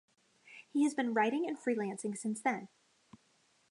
He has been writing and freelancing since then.